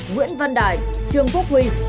nguyễn văn đài trương quốc huy